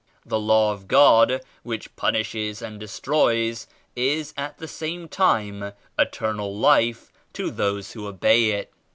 The Law of God which punishes and destroys is at the same time Eternal Life to those who obey It."